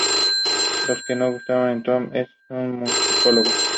Lo que nos gusta de Tom es que es un musicólogo.